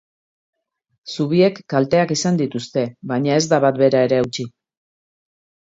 Zubiek kalteak izan dituzte, baina ez da bat bera ere hautsi.